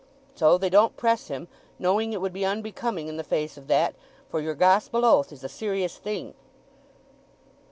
So they don't press him, knowing it would be unbecoming in the face of that: for yer gospel oath is a serious thing."